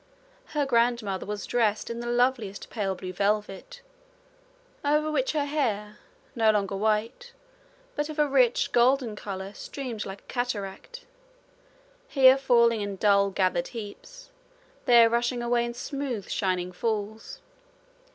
Her grandmother was dressed in the loveliest pale blue velvet, over which her hair, no longer white, but of a rich golden colour, streamed like a cataract, here falling in dull gathered heaps, there rushing away in smooth shining falls.